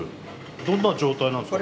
どんな状態なんすか？